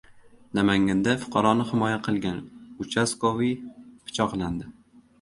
Namanganda fuqaroni himoya qilgan “uchastkoviy” pichoqlandi